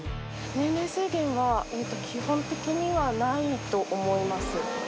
年齢制限は、基本的にはないと思います。